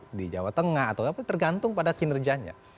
di jakarta di jawa tenggara atau apa tergantung pada kinerjanya